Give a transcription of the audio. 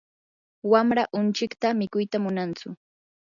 wamraa unchikta mikuyta munantsu.